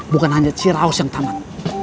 bukan hanya ciraus yang tamat